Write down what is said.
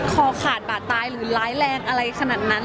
คอขาดบาดตายหรือร้ายแรงอะไรขนาดนั้น